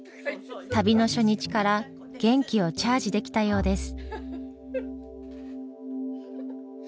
旅の初日から元気をチャージできたようです。